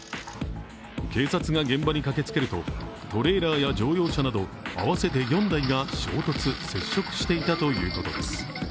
警察が現場に駆けつけると、トレーラーや乗用車など合わせて４台が衝突、接触していたということです。